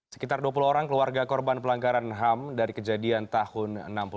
sekitar dua puluh orang keluarga korban pelanggaran ham dari kejadian tahun enam puluh lima